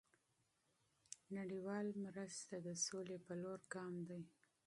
دเงินบาทไทย نړیوال مرسته د سولې په لور ګام دی.